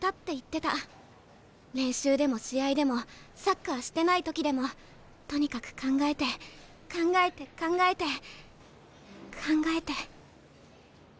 練習でも試合でもサッカーしてない時でもとにかく考えて考えて考えて考えて。